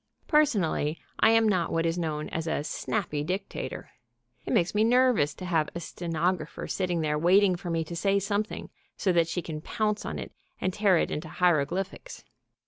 Personally I am not what is known as a "snappy" dictator. It makes me nervous to have a stenographer sitting there waiting for me to say something so that she can pounce on it and tear it into hieroglyphics.